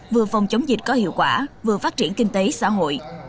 vừa phòng chống dịch có hiệu quả vừa phát triển kinh tế xã hội